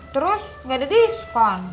terus gak ada diskon